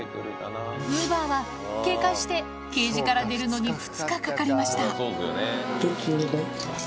むぅばあは警戒してケージから出るのに２日かかりました出てみる？